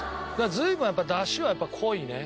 随分やっぱり出汁は濃いね。